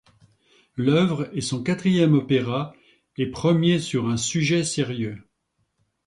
L'œuvre est son quatrième opéra et premier sur un sujet sérieux.